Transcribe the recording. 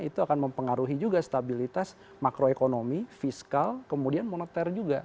itu akan mempengaruhi juga stabilitas makroekonomi fiskal kemudian moneter juga